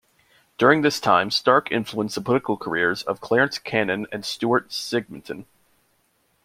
During this time, Stark influenced the political careers of Clarence Cannon and Stuart Symington.